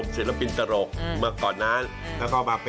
จะเป็นพระในบ้าน